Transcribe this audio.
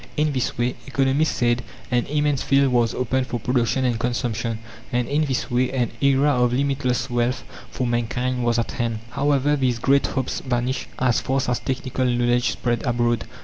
In this way, economists said, an immense field was opened for production and consumption, and in this way an era of limitless wealth for mankind was at hand. However, these great hopes vanished as fast as technical knowledge spread abroad.